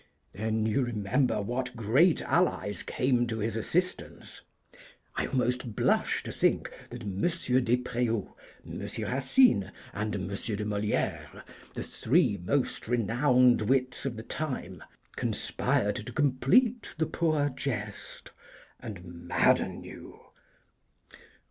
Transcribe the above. Then you remember what great allies came to his assistance. I almost blush to think that M. Despréaux, M. Racine, and M. de Moliére, the three most renowned wits of the time, conspired to complete the poor jest, and madden you.